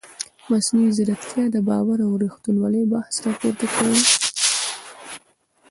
مصنوعي ځیرکتیا د باور او ریښتینولۍ بحث راپورته کوي.